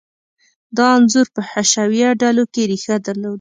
دا انځور په حشویه ډلو کې ریښه درلوده.